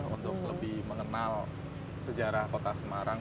untuk lebih mengenal sejarah kota semarang